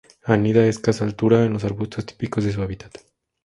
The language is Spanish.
Anida a escasa altura, en los arbustos típicos de su hábitat.